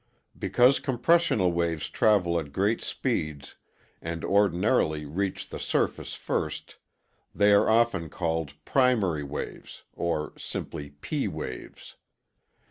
Because compressional waves travel at great speeds and ordinarily reach the surface first, they are often called ŌĆ£primary wavesŌĆØ or simply ŌĆ£PŌĆØ waves.